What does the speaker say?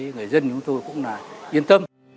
người dân chúng tôi cũng yên tâm